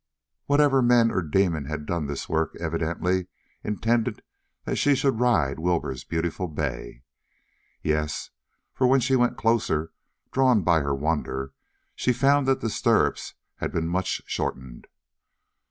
Whatever man or demon had done this work evidently intended that she should ride Wilbur's beautiful bay. Yes, for when she went closer, drawn by her wonder, she found that the stirrups had been much shortened.